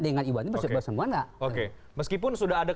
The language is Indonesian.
dengan iwan itu bersama sama